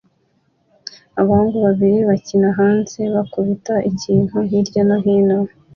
Abahungu babiri bakina hanze bakubita ikintu hirya no hino